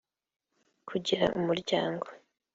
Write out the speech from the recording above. kugira umuryango